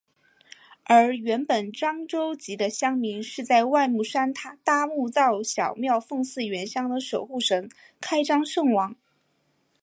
而原本漳州籍的乡民是在外木山搭木造小庙奉祀原乡的守护神开漳圣王。